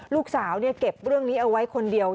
ลูกสาวเก็บเรื่องนี้เอาไว้คนเดียว